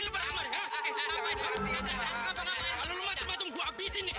malu lama tempat tunggu abih sini